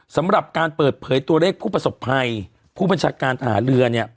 สำหรับการเปิดเผยตัวเลขผู้ประสบภัยผู้บัญชาการทหารเรือเนี่ย